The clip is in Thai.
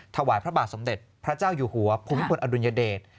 ถวายพระบาทสมเด็จพระเจ้าอยู่หัวภูมิพลอดุลยเดช